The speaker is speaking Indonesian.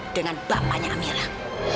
dengan bapanya amirah